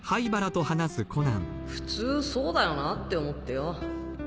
普通そうだよなぁって思ってよ